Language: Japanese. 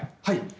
はい。